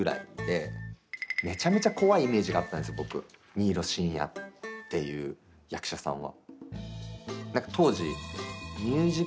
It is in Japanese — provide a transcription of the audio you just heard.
新納慎也っていう役者さんは。